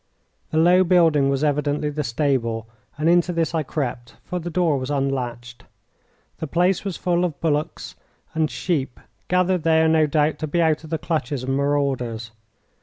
The low building was evidently the stable, and into this I crept, for the door was unlatched. The place was full of bullocks and sheep, gathered there, no doubt, to be out of the clutches of marauders.